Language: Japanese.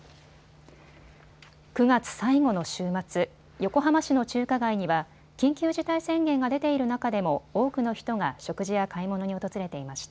９月最後の週末、横浜市の中華街には緊急事態宣言が出ている中でも多くの人が食事や買い物に訪れていました。